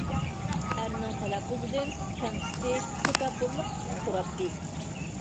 ئەرنىڭ تەلەپپۇزىدىن كەمسىتىش، تەكەببۇرلۇق چىقىپ تۇراتتى.